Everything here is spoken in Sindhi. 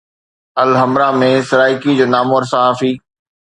الحمراء ۾ سرائڪي جو نامور صحافي